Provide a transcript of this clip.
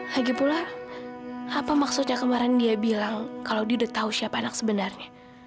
lagi pula apa maksudnya kemarin dia bilang kalau dia udah tahu siapa anak sebenarnya